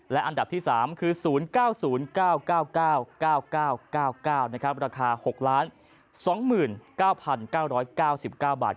และอันดับที่๓คือ๐๙๐๙๙๙๙๙๙๙๙๙ราคา๖๒๙๙๙๙๙บาท